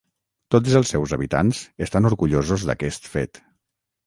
Tots els seus habitants estan orgullosos d'aquest fet.